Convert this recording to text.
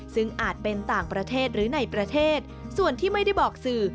ซึ่งอาจเป็นต่างประเทศหรือในประเทศส่วนที่ไม่ได้บอกสื่อ